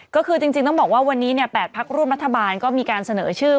ก็คือจริงต้องบอกว่าวันนี้๘พักร่วมรัฐบาลก็มีการเสนอชื่อ